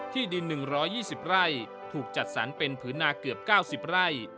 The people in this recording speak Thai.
ที่ดินหนึ่งร้อยยี่สิบไร่ถูกจัดสรรเป็นผืนนาเกือบเก้าสิบไร่